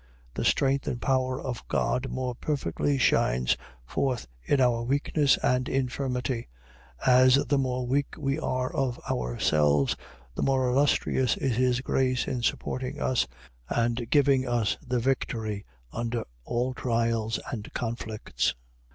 . .The strength and power of God more perfectly shines forth in our weakness and infirmity; as the more weak we are of ourselves, the more illustrious is his grace in supporting us, and giving us the victory under all trials and conflicts.